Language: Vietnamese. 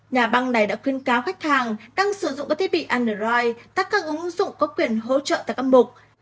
nhà băng này đã khuyên cáo khách hàng đang sử dụng các thiết bị android tất cả các ứng dụng có quyền hỗ trợ tại các mục